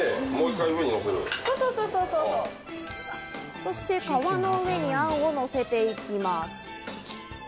そして皮の上にあんをのせていきます。